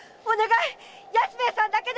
お願い！